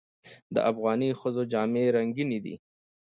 د افغاني ښځو جامې رنګینې دي.